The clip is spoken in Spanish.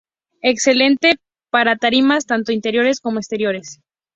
Excelente para tarimas tanto interiores como exteriores.